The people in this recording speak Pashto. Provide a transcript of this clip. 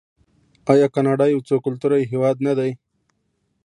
آیا کاناډا یو څو کلتوری هیواد نه دی؟